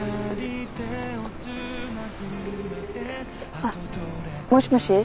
あっもしもし？